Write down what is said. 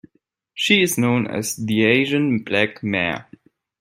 She is known as the Asian Black Mare.